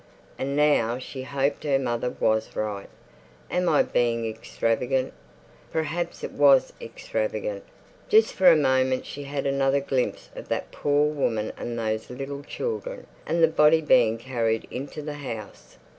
And now she hoped her mother was right. Am I being extravagant? Perhaps it was extravagant. Just for a moment she had another glimpse of that poor woman and those little children, and the body being carried into the house.